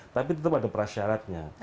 tapi tetap ada perasyaratnya